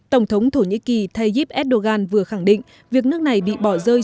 tổng thống thổ nhĩ kỳ tayyip erdogan vừa khẳng định việc nước này bị bỏ rơi